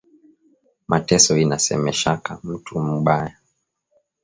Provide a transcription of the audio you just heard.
Mateso inasemeshaka mutu mabaya